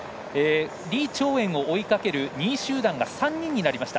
李朝燕を追いかける２位集団が３位になりました。